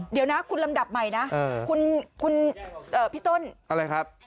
เดี๋ยวนะคุณลำดับใหม่นะคุณพี่ต้นอะไรครับ